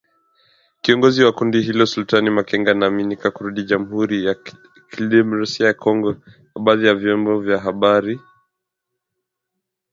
Kiongozi wa kundi hilo Sultani Makenga anaaminika kurudi Jamuhuri ya KIdemokrasia ya Kongo na baadhi ya vyombo vya habari